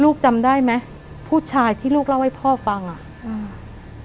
จำได้ไหมผู้ชายที่ลูกเล่าให้พ่อฟังอ่ะอืม